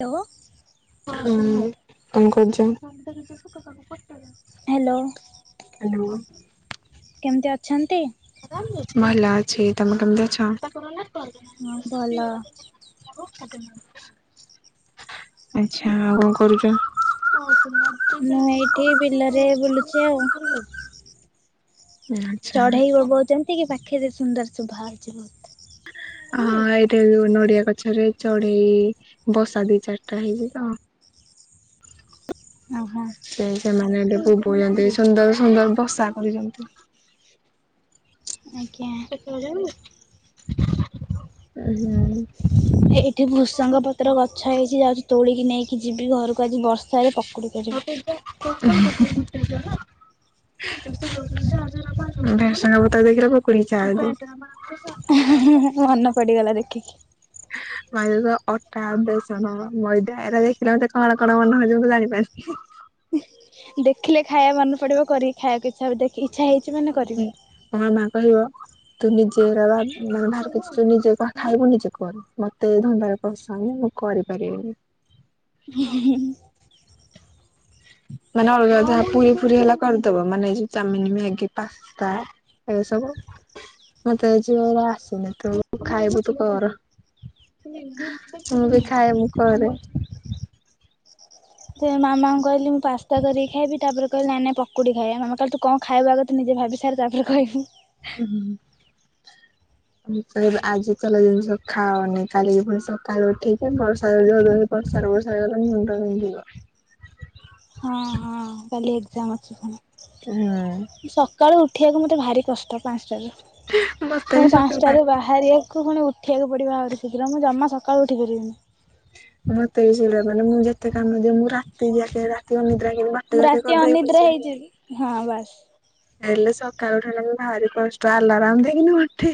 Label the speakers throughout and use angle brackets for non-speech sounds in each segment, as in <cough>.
Speaker 1: Hello.
Speaker 2: କଣ କରୁଚ?
Speaker 1: Hello କେମିତି ଅଛନ୍ତି?
Speaker 2: ଭଲ ଅଛି ତମେ କେମତି ଅଛ?
Speaker 1: ମୁଁ ଭଲ।
Speaker 2: ଆଛା ଆଉ କଣ କରୁଚ? <inaudible>
Speaker 1: ମୁଁ ଏଇଠି ବିଲରେ ବୁଲୁଛି ଆଉ। ଚଢେଇ ବୋବଉଚନ୍ତି କି ପାଖରେ ସୁନ୍ଦର ଶୁଭା ହଉଛି ବହୁତ।
Speaker 2: ଅ ଏଇଠି ନଡିଆ ଗଛରେ ଚଢେଇ ବସା ଦି ଚାରିଟା ହେଇଚି ତ।
Speaker 1: ଓହୋ
Speaker 2: ସେ ସେମାନେ ଏଠି ବୋବଉଚନ୍ତି ସୁନ୍ଦର ସୁନ୍ଦର ବସା କରଚନ୍ତି।
Speaker 1: ଆଜ୍ଞା।
Speaker 2: <unintelligible> ଅ ହଁ।
Speaker 1: ଏଇଠି ଭୁସଙ୍ଗ ପତ୍ର ଗଛ ହେଇଚି ଯାଉଛି ତୋଳିକି ନେଇ କି ଯିବି ଘରୁକୁ ଆଜି ବର୍ଷାରେ ପକୁଡ଼ି ପାରିବେ।
Speaker 2: <inaudible> <inaudible> ଭେସୁଙ୍ଗା ପତର ଦେଖିଲ ପକୁଡି ଇଚ୍ଛା ହଉଚି।
Speaker 1: ହୁଁ ହୁଁ ମନ ପଡିଗଲା ଦେଖିକି।
Speaker 2: <unintelligible> ଅଟା, ବେସନ, ମଇଦା ଏରା ଦେଖିଲା ମତେ କଣ କଣ ମନେ ହଉଚି ମୁଁ ଜାଣିପାରିନି ହିଁ।
Speaker 1: ହିଁ ଦେଖିଲେ ଖାଇବା ମନେ ପଡିବ କରିକି ଖାଇବାକୁ କିଛି ହବ ଦେଖିକି।
Speaker 2: ଓ ହୁଁ ମୋ କହିବ ତୁ ନିଜେ ଏରା ଭା ମାନେ ବାହାର କିଛି ତୁ ନିଜେ କ ଖାଇବୁ ନିଜେ କର ମତେ ଏ ଧନ୍ଦାରେ ପସାନି। ମୁଁ କରିପାରିବିନି।
Speaker 1: ହୁଁ ହୁଁ ହୁଁ।
Speaker 2: ମାନେ ଅଲଗା ଯାହା ପୁରୀ ଫୁରୀ ହେଲା କରିଦବ ମାନେ ଏଇଯଉ ଚାମିନି, ମ୍ୟାଗି ପାସ୍ତା। ଏ ସବୁ ମତେ ଆଜି ଏରା ଆସିନଥିବ ଖାଇବୁ ତୁ କର। ମୁଁ ବି ଖାଏ ମୁଁ କରେ।
Speaker 1: ସେ ମାମାଙ୍କୁ କହିଲି ମୁଁ ପାସ୍ତା କରିକି ଖାଇବି ତାପରେ କହିଲି ନାଇଁ ନାଇଁ ପକୁଡି ଖାଇବା ମାମା କହିଲେ ତୁ କଣ ଖାଇବା ଆଗ ତୁ ନିଜେ ଭାବି ସାରେ ତାପରେ କହିବୁ।
Speaker 2: ଉଁ ହୁଁ।
Speaker 1: <inaudible>
Speaker 2: ଆମୁକୁ କଇବେ ଆଜି ତେଲ ଜିନିଷ ଖାଅନି କାଲିିକି ଫୁଣି ସକାଳୁ ଉଠିକି ବର୍ଷା <unintelligible> <unintelligible> ମୁଣ୍ଡ ବିନ୍ଧିବ।
Speaker 1: ହଁ ହଁ କାଲି ଏଗଜାମ୍ ଅଛି ଫୁଣି।
Speaker 2: ହୁଁ।
Speaker 1: ଉଠିବାକୁ ମତେ ଭାରି କଷ୍ଟ ପାନସ୍ ଟାରୁ
Speaker 2: ମତେ ବି
Speaker 1: ମୁଁ ପାନସ୍
Speaker 2: ସକାଳୁ
Speaker 1: ଟା
Speaker 2: ପା
Speaker 1: ରେ ବାହାରିବା କଣ ଉଠିବାକୁ ପଡିବ ଆହୁରି ଶୀଘ୍ର ମୁଁ ଜମା ସକାଳୁ ଉଠି ପାରିବିନି।
Speaker 2: ମତେ ବି <unintelligible> ମାନେ ମୁଁ ଯେତେ କାମ ଦିଅ ମୁଁ ରାତି ଯାକେ ରାତି ଅନିଦ୍ରା ହେଇ <unintelligible> ବାଟା
Speaker 1: ମୁଁ
Speaker 2: ଯାକେ
Speaker 1: ରାତି
Speaker 2: କରିଦେବି
Speaker 1: ଅନିଦ୍ରା
Speaker 2: ପଛେ।
Speaker 1: ହେଇଯିବି ହଁ ବାସ୍
Speaker 2: ହେଲେ ସକାଳୁ ଉଠିବା ଲାଗି ଭାରି କଷ୍ଟ ଆଲାରାମ ଦେଇକିନି ଉଠି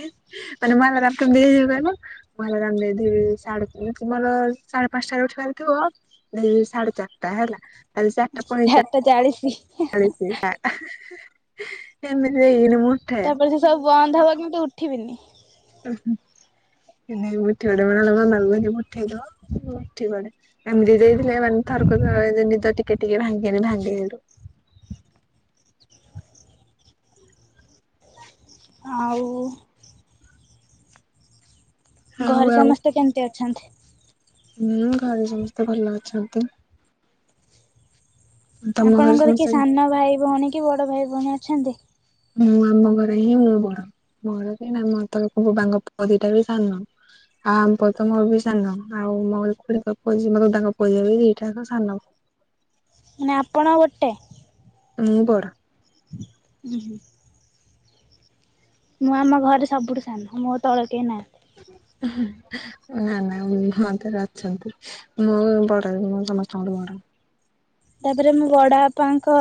Speaker 2: ମାନେ ମୁଁ ଆଲାରାମ କେମତି <unintelligible> ବ ମୁଁ ଅଲ୍ହାରାମ ଦେଇଦେଇ କି ସାଢ଼େ ତିନି ଜି ମୋର ସାଢେ ପାନସ୍ ଟାରେ ଉଠିବାର ଥିବ ଏଇ ସାଢେ ଚାରିଟା ହେଲା।
Speaker 1: ଚାରଟା ଚାଳିଶୀ।
Speaker 2: ଚାଳିଶି ଆ ହା ହା ଏମିତି ହେଇକିଣି
Speaker 1: ତାପରେ ସେ ସବୁ ବନ୍ଦ ହବ କିନ୍ତୁ ଉଠିବିନି।
Speaker 2: ଉଁ ହୁଁ। <unintelligible> ଉଠେଇଦବ ଉଠିବନି ଏମିତି <unintelligible> <unintelligible> ନିଦ ଟିକେ ଟିକେ ଭାଙ୍ଗେନି ଭାଙ୍ଗେ କିନ୍ତୁ।
Speaker 1: ହ ଆଉ।
Speaker 2: ଆଉ
Speaker 1: ଘରେ
Speaker 2: ଆଉ
Speaker 1: ସମସ୍ତେ କେମତି ଅଛନ୍ତି?
Speaker 2: ହୁଁ ଘରେ ସମସ୍ତେ ଭଲ ଅଛନ୍ତି। ତମ ଘରେ
Speaker 1: ଆପଣଙ୍କର କିଏ
Speaker 2: ସମସ୍ତେ
Speaker 1: ସାନ ଭାଇ ଭଉଣୀ କି ବଡ଼ ଭାଇ ଭଉଣୀ ଅଛନ୍ତି?
Speaker 2: ମୁଁ ଆମ ଘରେ ହିଁ ମୁଁ ବଡ। ମୋର କେହି <unintelligible> ପୁଅ ଦିଟା ବି ସାନ। ଆଉ ଆମ ପୁଅ ବି ମୋଠୁ ସାନ। ଆଉ ମୋ ଖୁଡି ଙ୍କ ପୁଅଝିଅ ମୋ ଦାଦା ଙ୍କ ପୁଅଝିଅ ବି ସାନ।
Speaker 1: ମାନେ ଆପଣ ଗୋଟେ?
Speaker 2: ହୁଁ ବଡ।
Speaker 1: <inaudible> ମୁଁ ଆମ ଘରେ ସବୁଠୁ ସାନ। ମୋ ତଳେ କେହି ନାହାଁନ୍ତି।
Speaker 2: ନା ନା ମୋ ତଳେ ଅଛନ୍ତି। ମୁଁ ବଡ଼। ମୁଁ ସମସ୍ତଙ୍କ ଠୁ ବଡ଼। <inaudible>
Speaker 1: ତାପରେ ମୋ ବଡ ବାପାଙ୍କ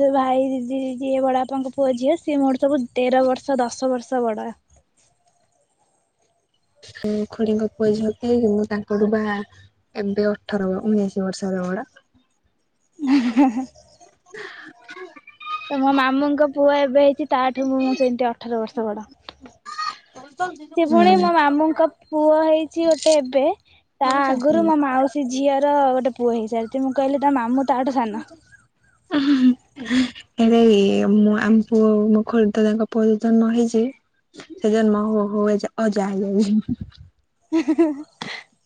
Speaker 1: ସେ ଭାଇ ଦିଦି ଯିଏ ବଡ ବାପାଙ୍କ ପୁଅ ଝିଅ ସିଏ ମୋଠୁ ସବୁ ତେର ବର୍ଷ ଦଶ ବର୍ଷ ବଡ଼।
Speaker 2: ଖୁଡିଙ୍କ ପୁଅ ଝିଅ ବି ମୁଁ ତା ମୋଠୁ ବା ଏବେ ଅଠର ଉଣେଇଶି ବର୍ଷର ବଡ଼।
Speaker 1: <inaudible> ତ ମୋ ମାମୁଙ୍କ ପୁଅ ଏବେ ହେଇଚି ତାଠୁ ମୁଁ ସେମିତି ଅଠର ବର୍ଷ ବଡ। ସେ ପୁଣି
Speaker 2: ହୁଁ
Speaker 1: ମୋ ମାମୁଁଙ୍କ ପୁଅ ହେଇଛି ଗୋଟେ ଏବେ ତା ଆଗରୁ ମୋ ମାଉସୀ ଝିଅ ର ଗୋଟେ ପୁଅ ହେଇସାରଚି। ମୁଁ କହିଲି ତା ମାମୁଁ ତାଠୁ ସାନ।
Speaker 2: ହେଲା କି ମୁଁ ଆମ ମୋ ଖୁଡି ଦାଦା ଙ୍କ ପୁଅ ଯେତେବେଳେ ନ ହେଇଚି ସେ ଜନ୍ମ ହୋଉ ହୋଉ ଅଜାା ହେଇଯାଇଚି।
Speaker 1: <inaudible>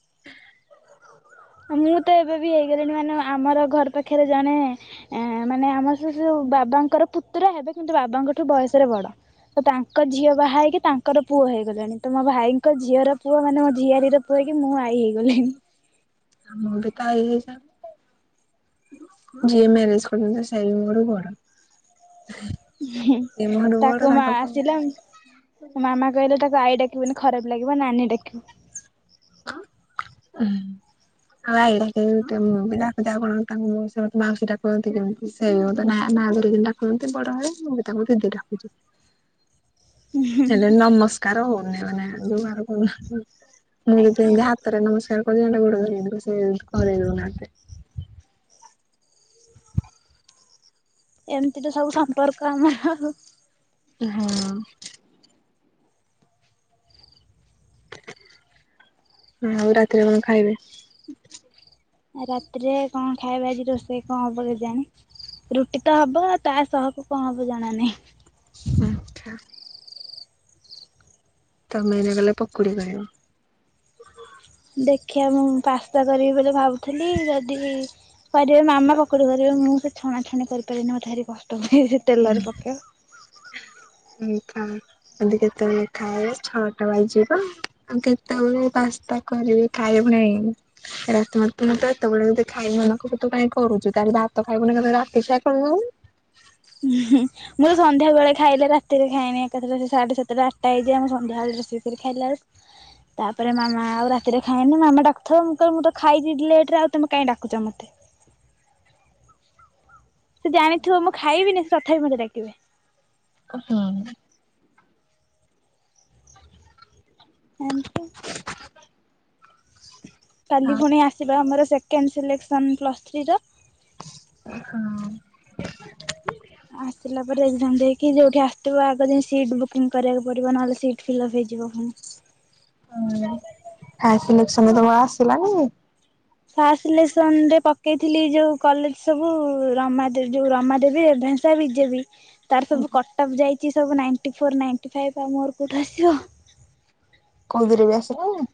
Speaker 1: ମୁଁ ତ ଏବେ ବି ହେଇଗଲିଣି ମାନେ ଆମର ଘର ପାଖରେ ଜଣେ ମାନେ ଆମ ସ ବାବାଙ୍କର ପୁତୁରା ହେବେ କିନ୍ତୁ ବାବାଙ୍କଠୁ ବୟସରେ ବଡ। ତ ତାଙ୍କ ଝିଅ ବାହା ହେଇକି ତାଙ୍କର ପୁଅ ହେଇଗଲାଣି। ତ ମୋ ଭାଇଙ୍କ ଝିଅର ପୁଅ ମାନେ ମୋ ଝିଆରୀ ର ପୁଅ ହେଇକି ମୁଁ ଆ ଆଈ ହେଇଗଲିଣି।
Speaker 2: ମୁଁ ବି ତ ଆଈ ହେଇସାରିଲିନି। ଯିଏ ମ୍ୟାରେଜ। <unintelligible> ସେ ମୋଠୁ ବଡ
Speaker 1: ତାକୁ ମା
Speaker 2: ତାଙ୍କ
Speaker 1: ଆସିଲା
Speaker 2: ଆଉ
Speaker 1: ମୋ ମାମା କହିଲେ ତାକୁ ଆଈ ଡାକିବୁନି ଖରାପ ଲାଗିବ ନାନୀ ଡାକିବୁ।
Speaker 2: <inaudible> <unintelligible> ଆ ନା ଧରିକି ଡାକୁୁଛନ୍ତି ବଡ ହେବେ। ମୁଁ ବି ତାଙ୍କୁ ଦିଦି ଡ଼ାକୁଚି।
Speaker 1: <inaudible>
Speaker 2: ହେଲେ ନମସ୍କାର ହଉନି ମାନେ। <unintelligible> ମୁଁ ତ
Speaker 1: ଆଜ୍ଞା
Speaker 2: ଏମିତି ହାତରେ ନମସ୍କାର କରୁଚି, ହେଲେ ଗୋଡ ଧରିକି ସେ କରେଇ ଦଉନାହାଁନ୍ତି।
Speaker 1: ଏମିତି ତ ସବୁ ସମ୍ପର୍କ ଆମର ଆଉ।
Speaker 2: ହଁ। ଆଉ ରାତିରେ କଣ ଖାଇବେ?
Speaker 1: ରାତିରେ କଣ ଖାଇବା ଆଜି ରୋଷେଇ କଣ ହବ କେଜାଣି। ରୁଟି ତ ହବ ତା ସହ ତାକୁ କଣ ହବ ଜଣା ନାହିଁ।
Speaker 2: <unintelligible> ତମେ ଏଇନା ଗଲେ ପକୁଡ଼ି କରିବ।
Speaker 1: ଦେଖିଆ ମୁଁ ପାସ୍ତା କରିବି ବୋଲି ଭାବୁଥିଲି, ଯଦି କରିବେ ମାମା ପକୁଡି କରିବେ। ମୁଁ ସେ ଛଣାଛଣି କରିପାରିବିନି। ମତେ ଭାରି କ ତେଲରେ ପକେଇବ।
Speaker 2: ଯଦି କେତେବେଳେ ଖାଇବ ଛଅଟା ବାଜିବ, ଆଉ କେତେବେଳେ ପାସ୍ତା କରି ଖାଇବାକୁ ନାଇଁ। <unintelligible> ମୁଁ ତ ଏତେବେଳେ ଯଦି ଖାଇବ ମନ କ ତୁ କାଇଁ କରୁଛୁ ଭାତ। <unintelligible>
Speaker 1: <inaudible> ମୁଁ ତ ସନ୍ଧ୍ୟା ବେଳେ ଖାଇଲେ ରାତିରେ ଖାଏନି। ଏକାଥରେ ସେ ସାଢେ ସାତଟା ଆଠଟା ହେଇଯାଏ। ମୁଁ ସନ୍ଧ୍ୟାବେଳେ ରୋଷେଇ କରି ଖାଇଲା ବେଳ କୁ। ହ ତାପରେ ମାମା ଆଉ ରାତିରେ ଖାଇନି ମାମା ଡାକୁଥୁବେ ମୁଁ କହିମି ମୁଁ ତ ଖାଇଚି ଦି- ଲେଟ ରେ ଆଉ ତୋମେ କାଇଁ ଡାକୁଚ ମୋତେ। <inaudible> ସିଏ ଜାଣିଥିବ ମୁଁ ଖାଇବିନି ସେ ତଥାପି ମୋତେ ଡାକିବେ।
Speaker 2: ଓ, ହୁଁ।
Speaker 1: ଏମତି। କାଲି
Speaker 2: ହଁ
Speaker 1: ପୁଣି ଆସିବ ଆମର ସେକେଣ୍ଡ ସିଲେକ୍ସନ ପ୍ଲସ୍ ଥ୍ରୀ ର।
Speaker 2: ଓ, ହଁ।
Speaker 1: ହଁ ଦେଇକି ଯୋଉଠି ଆସିଥିବ ଆଗ ଯାଇ ସିଟ୍ ବୁକିଂ କରିବାକୁ ପଡିବ ନହେଲେ ସିଟ୍ ଫିଲପ୍ ହେଇଯିବ ପୁଣି। ହ <inaudible>
Speaker 2: ହଁ ଫାଷ୍ଟ ସିଲେକ୍ସନ୍ ତ ମୋ ଆସିଲାନି।
Speaker 1: ଫାଷ୍ଟ ସିଲେକ୍ସନ ରେ ପକେଇଥିଲି ଯୋଉ କଲେଜ୍ ସବୁ ରମାଦେ ଯୋଉ ରମାଦେବୀ ଏ ଧେ ରେଭେନ୍ସା ବିଜେପି ତାର ସବୁ କଟଅଫ୍ ଯାଇଚି ସବୁ ନାଇଣ୍ଟି ଫୋର୍ ନାଇଣ୍ଟିି ଫାଇପ୍ ଆଉ ମୋର କୋଉଠୁ ଆସିବ। ହ <inaudible>
Speaker 2: କୋଉଥିରେ ବି ଆସିନି?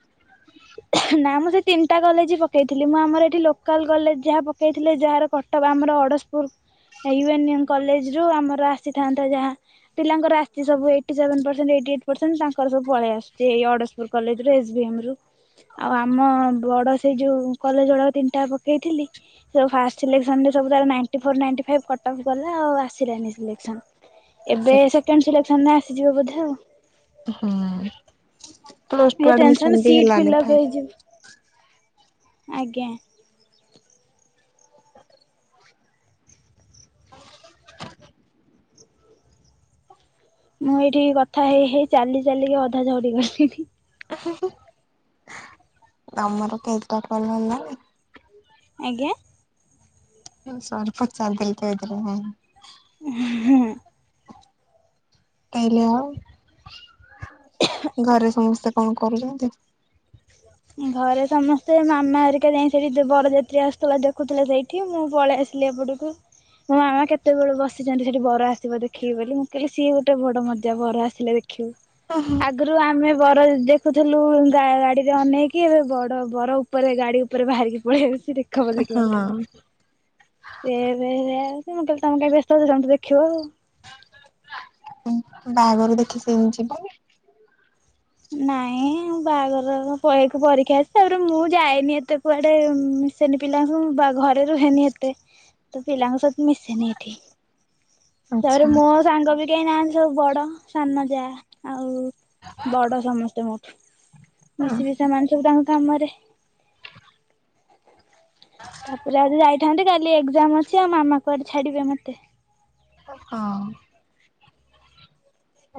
Speaker 1: ହ <inaudible> ନା ମୁଁ ସେଇ ତିନିଟା କଲେଜ୍ ପକେଇଥିଲି। ମୁଁ ଆମର ଏଠି ଲୋକାଲ୍ କଲେଜ୍ ଯାହା ପକେଇଥିଲେ। ଯାହାର କଟ୍ଅପ୍ ଆମର ଅଡ଼ଶପୁର। ଏ ୟୁନିୟମ୍ କଲେଜ୍ ରୁ ଆମର ଆସିଥାନ୍ତା ଯାହା। ପିଲାଙ୍କର ଆସିଚି ସବୁ ଏଇଟି ସେଭେନ୍ ପର୍ସେଣ୍ଟ ଏଇ ଟି ଏଇଟ୍ ପର୍ସେଣ୍ଟ ତାଙ୍କର ସବୁ ପଳେଇ ଆସଚି ଏଇ ଅଡ଼ଶପୁର କଲେଜ୍ ରୁ ଏସ୍ ବି ଏମ୍ ରୁ। ଆଉ ଆମ ବଡ ସେଇ ଯୋଉ କଲେଜ୍ ଗୁଡାକ ତିନିଟା ପକେଇଥିଲି। ଯୋଉ ଫାଷ୍ଟ ସିଲେକ୍ସନ ରେ ସବୁ ତାର ninety four ninety five cutoff କଲା ଆଉ ଆସିଲାନି ସିଲେକ୍ସନ। ଏବେ ସେକେଣ୍ଡ ସିଲେକ୍ସନ ରେ ଆସିଯିବ ବୋଧେ ଆଉ।
Speaker 2: ହୁଁ। ପ୍ଲସ
Speaker 1: ଏ
Speaker 2: ଟୁ ଆଡମିସନ
Speaker 1: ଟେନସନ୍
Speaker 2: ବି
Speaker 1: ସିଟ୍
Speaker 2: ହେଲାନି
Speaker 1: ଫିଲପ୍
Speaker 2: ଫା
Speaker 1: ହେଇଯିବ। ଆଜ୍ଞା। ମୁଁ ଏଇଠି କଥା ହେଇ ହେଇ ଚାଲି ଚାଲିକି ଅଧା ଝଡି ଗଲିଣି।
Speaker 2: ହ <unintelligible> ଆମର କେଇଟା କଲେ ହେଲାନି।
Speaker 1: ଆଜ୍ଞା।
Speaker 2: ମୁଁ ସର୍କ ଚାଲି ଚାଲିକି ଆଇଥିଲି ହଁ।
Speaker 1: ହଁ।
Speaker 2: କହିଲେ ଆ ଘରେ ସମସ୍ତେ। କଣ କରୁଚନ୍ତି?
Speaker 1: ଘରେ ସମସ୍ତେ ମାମା ହେରିକା ଯାଇ ସେଠି ଦେ-ବରଯାତ୍ରୀ ଆସୁଥିଲା ଦେଖୁଥିଲେ ସେଇଠି। ମୁଁ ପଳେଇ ଆସିି ଥିଲେ ଏପଟକୁ। ମୋ ମାମା କେତେବେଳୁ ବସିଚନ୍ତି ସେଠି ବର ଆସିବ ଦେଖିବି ବୋଲି। ମୁଁ କହିଲି ସିଏ ଗୋଟେ ବଡ ମଜା। ବର ଆସିଲେ ଦେ ଖିବୁ ଆଗରୁ ଆମେ ବର ଦେଖୁଥିଲୁ ଗା-ଗାଡି ଯେ ଅନେଇକି ଏବେ ବଡ ବର ଉପରେ ଗାଡି ଉପରେ ବାହାରିକି ପଳେଇ ଆଉଚି ଦେ ଖ ବୋଲିକି ମୋତେ
Speaker 2: ହଁ।
Speaker 1: ସେ ଏବେ ବେ ମୁଁ କହିଲି ତମେ କାଇଁ ବ୍ୟସ୍ତ ହଉଚୁ ଯାଉନୁ ତୁ ଦେଖିବ।
Speaker 2: ଉଁ, ବାହାଘରୁ ଦେଖି ସେ ଯିବନି?
Speaker 1: ନାଇଁ ବାହାଘର ର ପ-ଏକ ପରୀକ୍ଷା ଅଛି। ତାପରେ ମୁଁ ଯାଏନି ଏତେ କୁଆଡେ ଉଁ,। ମିଶେନି ପିଲାଙ୍କୁ ବା-ଘରେ ରୁହେନି ଏତେ। ତ ପିଲାଙ୍କ ସହିତ ମିଶେନି ଏଠି।
Speaker 2: ଆଚ୍ଛା।
Speaker 1: ତାପରେ ମୋ ସାଙ୍ଗ ବି କେହି ନାହାନ୍ତି। ସବୁ ବଡ ସାନ ଯା ଆଉ ବଡ ସମସ୍ତେ ମୋଠୁ।
Speaker 2: ଆ
Speaker 1: ମିଶିବି ସେମାନେ ସବୁ ତାଙ୍କ କାମରେ। ତାପରେ ଆଜି ଯାଇଥାନ୍ତି କାଲି ଏକ୍ଜାମ୍ ଅଛି ଆଉ ମାମା କୁଆଡେ ଛାଡିବେ ମୋତେ।
Speaker 2: ହଁ।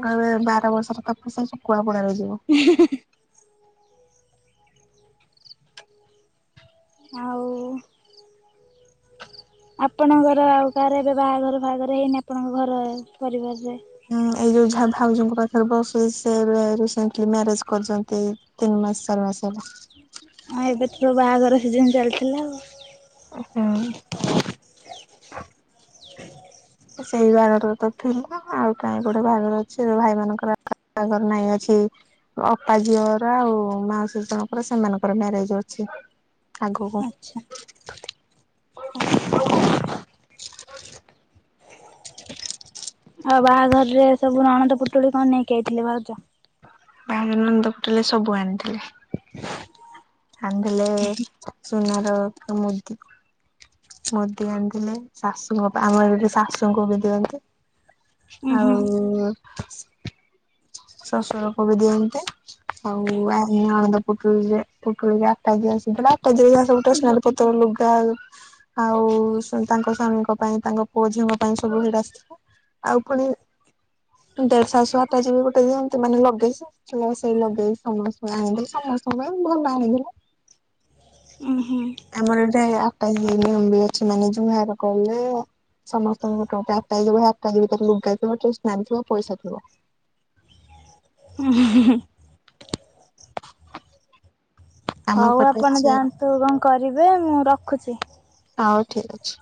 Speaker 2: କହିବେ ବାର ବର୍ଷର ତପସ୍ୟା ଶୁକୁଆ ପୁଡାରେ ଯିବ।
Speaker 1: ଆଉ ଆପଣଙ୍କର ଆଉ କାହାର ଏବେ ବାହାଘର ଫାହାଘର ହେଇନି ଆପଣଙ୍କ ଘରେ ପରିବାରରେ?
Speaker 2: ହୁଁ ଏଇ ଯୋଉ ଯାହା ଭାଉଜଙ୍କ ପାଖରେ ବସି। ସେ ଏବେ ରିସେଣ୍ଟଲି ମ୍ୟାରେଜ୍ କରିଚନ୍ତି ଏଇ ତିନି ମାସ ଚାରି ମାସ। ଆସ।
Speaker 1: ହଁ ଏବେ ତ ବାହାଘର ସିଜନ ଚାଲିଥିଲା ଆଉ।
Speaker 2: ହଁ
Speaker 1: ହୁଁ
Speaker 2: ସେଇ ବାହାଘର ତ ଥିଲା ଆଉ କାହିଁ ଗୋଟେ ବାହାଘର ଅଛିୋ ଭାଇମାନାନଙ୍କର ବାହାଘର ନାଇଁ ଅଛି ଅପା ଝିଅର ଆଉ ମାଉସୀ ସେ ଜଣଙ୍କର ସେମାନଙ୍କର ମ୍ୟାରେଜ୍‌ଅଛି ହୃତ୍ ଆଗକୁ
Speaker 1: ଆଚ୍ଛା
Speaker 2: ଇଶ୍
Speaker 1: ଆଉ ବାହାଘରରେ ସବୁ। ଣପଦ ପୁଟୁଳି କଣ ନେଇକି ଆଇଥିଲେ ଭାଉଛ
Speaker 2: ବାହାଘରନନ୍ଦ ପଟରେ ସବୁ ଆଣିଥିଲେ ଆଣି ଦେଲେସୁନାର ମୁଦି ମୁଦି ଆଣିଦେଲେ ଶାଶୁଙ୍କ ଆମର ଏଇ ଶାଶୁଙ୍କୁ ବି ଦିଅନ୍ତି
Speaker 1: ଉଁ ହୁଁ
Speaker 2: ଆଉ ଶଶୁରୋକୁ ବି ଦିଅନ୍ତି ଆଉ ଆ ନଣନ୍ଦ ପୁଟୁଳିରେ ପୁଟୁଳିୀରେ ଆଟା ଦିଅନ୍ତି ଟା ଯ ସବୁଟେ ସ୍ନାୀ ପତ୍ର ଲୁଗା ଆଉ ତାଙ୍କ ସ୍ଵାମୀଙ୍କ ପାଇଁ ତାଙ୍କ ପୁଅ ଝିଅଙ୍କ ପାଇଁ ସବୁ ଭିଡ ଆସିଥିଲା ଆଉ ପୁଣି ଦେଢଶାଶୁ ଆଟା ଯବି ଗୋଟେ େ ଯେମତି ମାନେ ଲଗେଇ ସେଇ ଲଗେଇ ସମସ୍ତଙ୍କୁ ଆଣି ସମସ୍ତଙ୍କୁ ପାଇଁ ଭଲ ଆଣି
Speaker 1: ହ
Speaker 2: ଆମର ଏଟ ନିୟମ ବି ଅଛି ମାନେ ଜୁମହାର କରଲେ ସମସ୍ତଙ୍କଟା ଯିବଟା ଯିବ ତାେ ଲୁଟାଇଥିବ ସ୍ାନ ିବ ପଇସା ଥିବ
Speaker 1: ହ
Speaker 2: ଆମ
Speaker 1: ହଉ
Speaker 2: ପଟେ
Speaker 1: ଆପଣ
Speaker 2: ଅଛି
Speaker 1: ଯାଆନ୍ତୁ କଣ କରିବେ ମୁଁ ରଖୁଛି
Speaker 2: ହଉ ଠିକ୍ ଅଛି